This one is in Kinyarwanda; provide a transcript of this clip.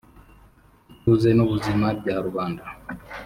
ituze n’ubuzima bya rubanda